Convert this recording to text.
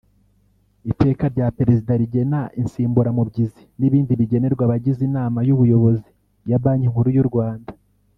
Iteka rya Perezida rigena insimburamubyizi n’ibindi bigenerwa Abagize Inama y’Ubuyobozi ya Banki Nkuru y’u Rwanda